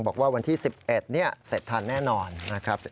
บอกว่าวันที่๑๑เสร็จทันแน่นอนนะครับ